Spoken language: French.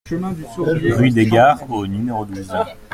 Rue des Gards au numéro douze